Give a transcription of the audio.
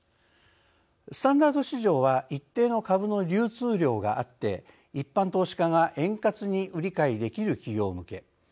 スタンダード市場は一定の株の流通量があって一般投資家が円滑に売り買いできる企業向け。